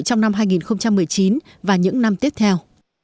trong năm hai nghìn một mươi chín và những năm tiếp theo